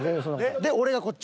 で俺がこっち？